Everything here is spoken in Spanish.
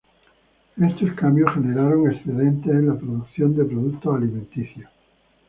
Estos cambios generaron excedentes en la producción de productos alimenticios.